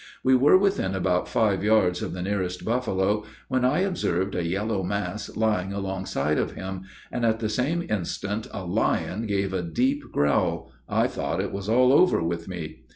We were within about five yards of the nearest buffalo, when I observed a yellow mass lying alongside of him, and at the same instant a lion gave a deep growl, I thought it was all over with me.